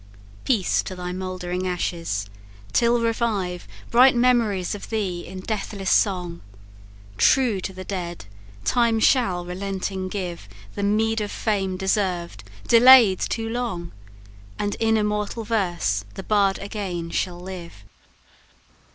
Peace to thy mould'ring ashes, till revive Bright memories of thee in deathless song! True to the dead, Time shall relenting give The meed of fame deserved delayed too long, And in immortal verse the Bard again shall live!"